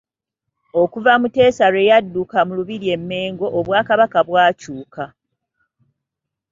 Okuva Muteesa lwe yadduka mu Lubiri e Mengo obwakabaka bwakyuka..